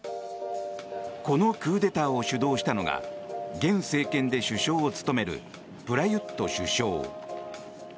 このクーデターを主導したのが現政権で首相を務めるプラユット首相。